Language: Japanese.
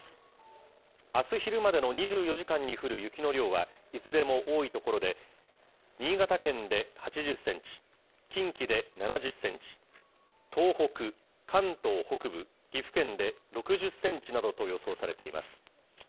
あす昼までの２４時間に降る雪の量は、いずれも多い所で、新潟県で８０センチ、近畿で７０センチ、東北、関東北部、岐阜県で６０センチなどと予想されています。